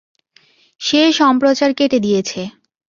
সে সম্প্রচার কেটে দিয়েছে।